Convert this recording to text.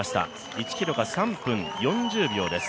１ｋｍが３分４０秒です。